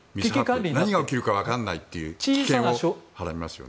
何が起きるか分からないというのもありますよね。